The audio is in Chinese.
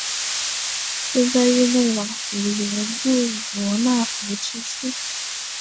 建在日内瓦湖流入罗讷河之处。